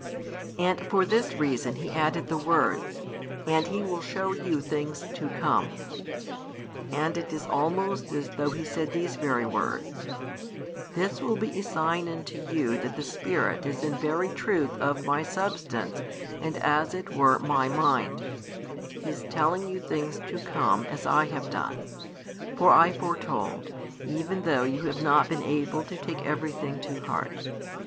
And for this reason He added the words, and He will show you things to come; and it is almost as though He said these very words, "This will be a sign |452 unto you that the Spirit is in very truth of My Substance and as it were My Mind His telling you things to come, as I have done. For I foretold, even though you have not been able to take everything to heart.